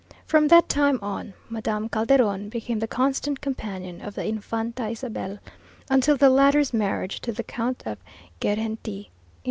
From that time on Madame Calderon became the constant companion of the Infanta Isabel, until the latter's marriage to the Count of Girgenti in 1868.